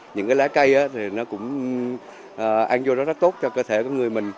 những cái lá cây thì nó cũng ăn vô nó rất tốt cho cơ thể của người mình